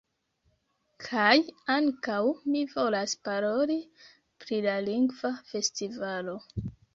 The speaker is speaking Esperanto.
Kaj ankaŭ mi volas paroli pri la lingva festivalo.